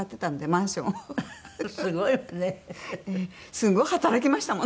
すごい働きましたもの。